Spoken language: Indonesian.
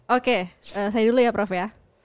oke saya dulu ya prof ya